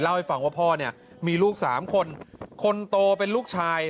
ให้ฟังว่าพ่อเนี่ยมีลูกสามคนคนโตเป็นลูกชาย